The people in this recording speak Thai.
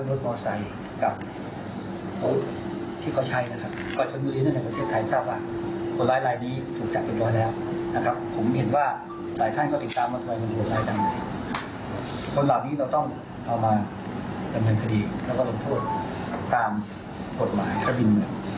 ดำเนินคดีแล้วก็ลงโทษตามผลหมายข้าวบิน